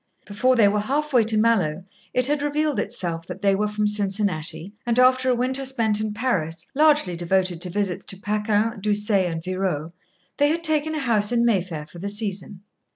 Before they were half way to Mallowe, it had revealed itself that they were from Cincinnati, and after a winter spent in Paris, largely devoted to visits to Paquin, Doucet, and Virot, they had taken a house in Mayfair for the season.